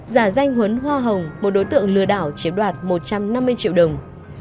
giả danh huấn hoa hồng một đối tượng lừa đảo chiếm đoạt một trăm năm mươi triệu đồng